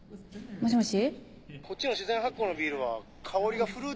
もしもし？